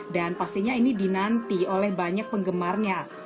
dan pastinya ini dinanti oleh banyak penggemarnya